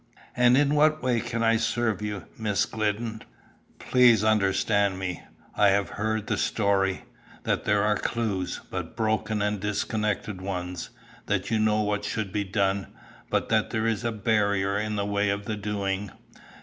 "And in what way can I serve you, Miss Glidden?" "Please understand me. I have heard the story; that there are clues, but broken and disconnected ones; that you know what should be done, but that there is a barrier in the way of the doing.